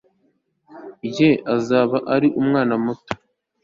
Ye azaba ari umwana muto